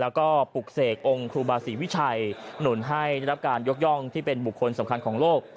แล้วก็ปลุกเสกองค์ครูบาศรีวิชัยหนุนให้ได้รับการยกย่องที่เป็นบุคคลสำคัญของโลก